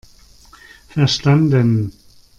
Verstanden!